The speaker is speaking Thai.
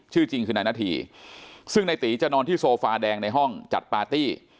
ชื่อจริงคือนายนาธีซึ่งนายตีจะนอนที่โซฟาแดงในห้องจัดปาร์ตี้